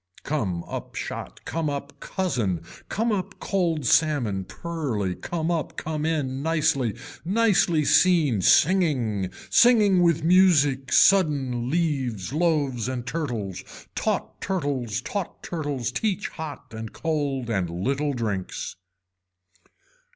Come up shot come up cousin, come up cold salmon pearly, come up, come in, nicely, nicely seen, singing, singing with music, sudden leaves loaves and turtles, taught turtles taught turtles teach hot and cold and little drinks.